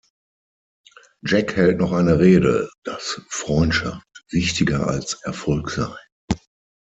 Jack hält noch eine Rede, dass Freundschaft wichtiger als Erfolg sei.